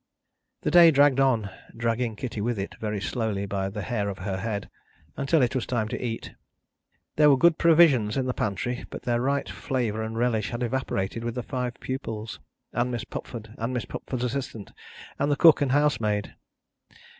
The day dragged on, dragging Kitty with it very slowly by the hair of her head, until it was time to eat. There were good provisions in the pantry, but their right flavour and relish had evaporated with the five pupils, and Miss Pupford, and Miss Pupford's assistant, and the cook and housemaid.